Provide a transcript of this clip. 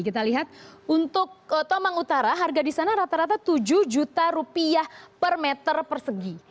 kita lihat untuk tomang utara harga di sana rata rata tujuh juta rupiah per meter persegi